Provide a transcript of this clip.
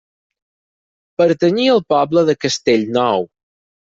Pertanyia al poble de Castellnou.